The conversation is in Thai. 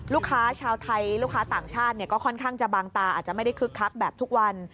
ลูกค้าชาวไทยลูกค้าต่างชาติก็ค่อนข้างจะบางตาอาจจะไม่ได้คึกคักแบบทุกวัน